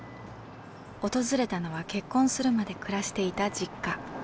訪れたのは結婚するまで暮らしていた実家。